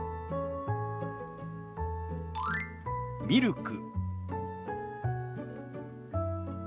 「ミルク」。